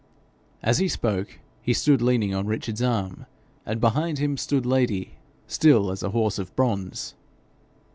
As he spoke, he stood leaning on Richard's arm, and behind them stood Lady, still as a horse of bronze.